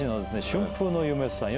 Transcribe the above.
春風の夢さん